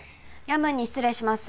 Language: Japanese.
夜分に失礼します